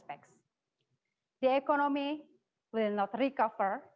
pattern penghantaran konsumen